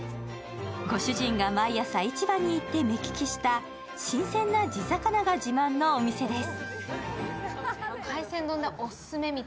ご主人が毎朝、市場に行って目利きした新鮮な地魚が自慢のお店です。